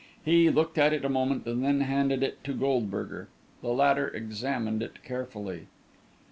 He looked at it a moment, and then handed it to Goldberger. The latter examined it carefully.